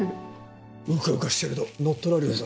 うかうかしてると乗っ取られるぞ。